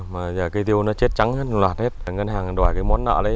mà cây tiêu nó chết trắng hết ngân hàng đòi cái món nợ đấy